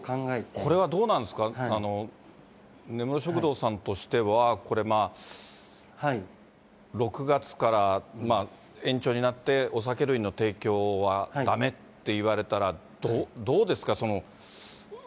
これはどうなんですか、根室食堂さんとしては、これまあ、６月から延長になって、お酒類の提供はだめって言われたら、どうですか。